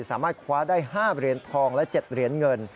สามารถคว้าได้๕เหรียญทองและ๗เหรียญเงิน